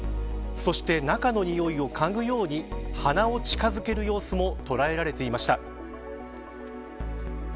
そして、中のにおいを嗅ぐように鼻を近づける様子も捉えられていました。